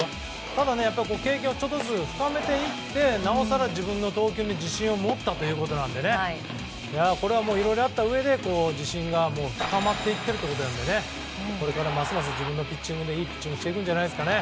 ただ、経験を深めていって自分の投球に自信を持ったということなのでいろいろあったうえで自信が深まっているのでこれからますます自分のピッチングでいいピッチングしていくんじゃないですかね。